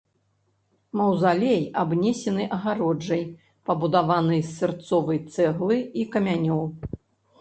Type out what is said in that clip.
Маўзалей абнесены агароджай, пабудаванай з сырцовай цэглы і камянёў.